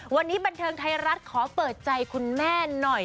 วันนี้บันเทิงไทยรัฐขอเปิดใจคุณแม่หน่อย